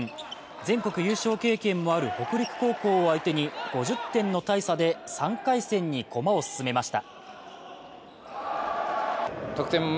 全国優勝経験もある北陸高校を相手に５０点の大差で３回戦に駒を進めました。